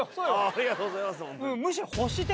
ありがとうございます。